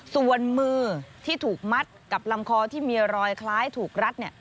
ส่วนมือที่ถูกมัดกับลำคอที่มีรอยคล้ายถูกรัด